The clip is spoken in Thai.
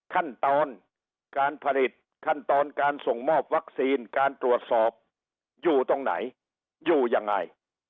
ขั้นตอนการผลิตขั้นตอนการส่งมอบวัคซีนการตรวจสอบอยู่ตรงไหนอยู่ยังไง